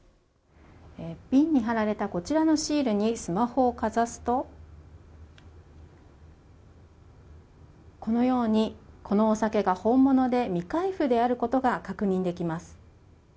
瓶に貼られたこちらのシールにスマホをかざすとこのように、このお酒が本物で未開封であることが確認できます。